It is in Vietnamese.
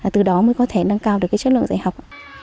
từ đó mới có thể nâng cao được cái chất lượng dạy học